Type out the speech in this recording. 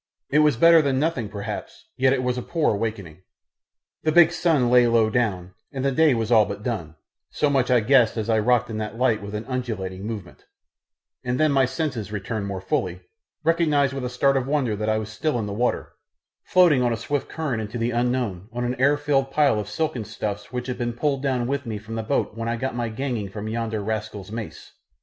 It was better than nothing perhaps, yet it was a poor awakening. The big sun lay low down, and the day was all but done; so much I guessed as I rocked in that light with an undulating movement, and then as my senses returned more fully, recognised with a start of wonder that I was still in the water, floating on a swift current into the unknown on an air filled pile of silken stuffs which had been pulled down with me from the boat when I got my ganging from yonder rascal's mace.